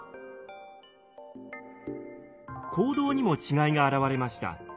行動にも違いが現れました。